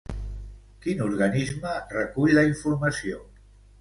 Quin organisme recull la informació?